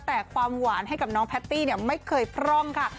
แต่ความหวานให้กับน้องแพตตี้ไม่เคยพร่องค่ะ